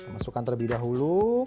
masukkan terlebih dahulu